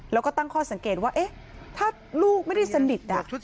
แล้วก็ตั้งข้อสังเกตว่าถ้าลูกไม่ได้สนิท